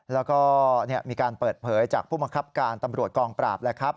แล้วก็มีการเปิดเผยจากผู้บังคับการตำรวจกองปราบแล้วครับ